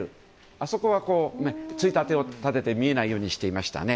あそこは衝立を立てて見えないようにしていましたね。